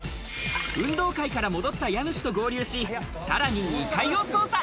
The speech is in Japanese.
運動会から戻った家主と合流し、さらに２階を捜査。